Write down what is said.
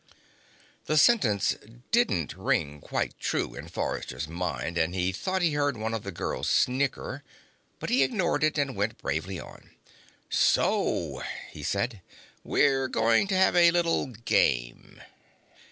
The sentence didn't ring quite true in Forrester's mind, and he thought he heard one of the girls snicker, but he ignored it and went bravely on. "So," he said, "we're going to have a little game."